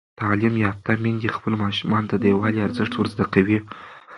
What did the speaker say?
تعلیم یافته میندې خپلو ماشومانو ته د یووالي ارزښت ور زده کوي.